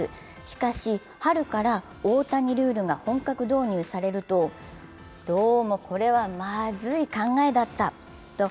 しかし、春から大谷ルールが本格導入されると、どうもこれはまずい考えだったと